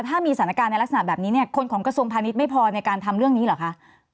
ถ้ามีสถานการณ์ในลักษณะแบบนี้เนี่ยคนของกระทรวงพาณิชย์ไม่พอในการทำเรื่องนี้เหรอคะ